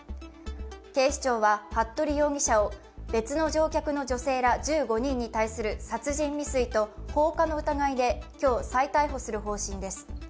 警視庁は服部容疑者を別の乗客の女性ら１５人に対する殺人未遂と放火の疑いで今日再逮捕する方針です。